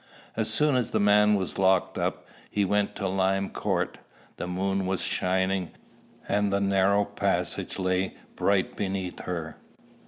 As soon as the man was locked up, he went to Lime Court. The moon was shining, and the narrow passage lay bright beneath her.